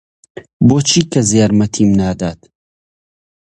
بۆچی کەس یارمەتیم نادات؟